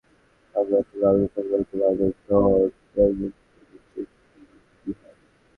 বাংলাদেশ থেকে কার্গো আরব আমিরাতে কার্গো পরিবহনের বাজার ধরতেও গুরুত্ব দিচ্ছে ইতিহাদ।